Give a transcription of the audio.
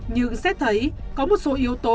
nhưng xét thấy có một số yếu tố